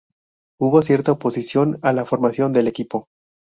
Hubo cierta oposición a la formación del equipo.